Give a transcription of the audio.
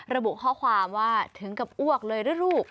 ระบุข้อความว่าถึงกับอ้วกเลยนะลูก